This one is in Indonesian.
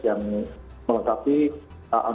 yang melakukan prosedur